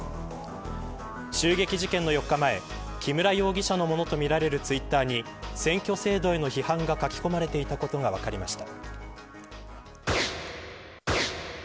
襲撃事件の４日前木村容疑者のものとみられるツイッターに選挙制度への批判が書き込まれていたことが分かりました。